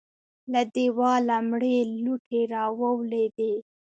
له دېواله مړې لوټې راولوېدې.